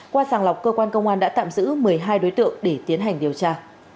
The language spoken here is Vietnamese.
qua sàng lọc cơ quan công an đã tạm giữ một mươi hai đối tượng để tiến hành điều tra